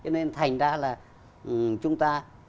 nên thành ra là chúng ta